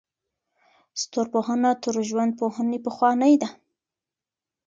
ستورپوهنه تر ژوندپوهنې پخوانۍ ده.